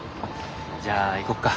じゃあ行こうか。